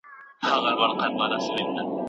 چې شها راتاوېده د لمبې ژبه